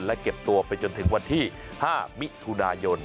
และเก็บตัวไปจนถึงวันที่๕มิถุนายน